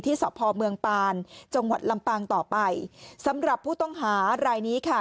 สพเมืองปานจังหวัดลำปางต่อไปสำหรับผู้ต้องหารายนี้ค่ะ